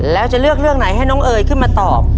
แล้วจะเลือกเรื่องไหนให้น้องเอ๋ยขึ้นมาตอบ